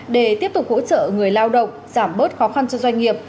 để tiếp tục hỗ trợ người lao động giảm bớt khó khăn cho doanh nghiệp